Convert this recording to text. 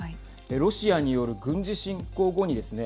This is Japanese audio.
ロシアによる軍事侵攻後にですね